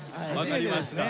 分かりました。